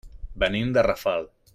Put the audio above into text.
Venim de Rafal.